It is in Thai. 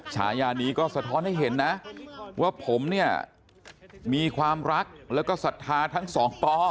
ฉายานี้ก็สะท้อนให้เห็นนะว่าผมเนี่ยมีความรักแล้วก็ศรัทธาทั้งสองปอ